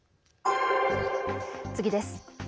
次です。